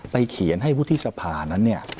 ไปเขียนให้ผู้ที่สภานั้น